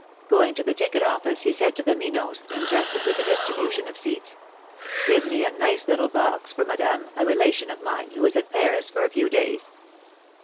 Going to the ticket office, he said to the Minos intrusted with the distribution of seats: ^^Give me a nice little box for Madame, a relation of mine, who is at Paris for a few days.